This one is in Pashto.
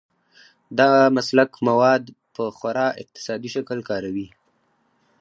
دا مسلک مواد په خورا اقتصادي شکل کاروي.